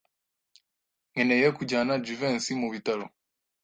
Nkeneye kujyana Jivency mu bitaro.